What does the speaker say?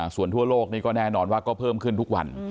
ส่วนทั่วโลกนี่ก็แน่นอนว่าก็เพิ่มขึ้นทุกวัน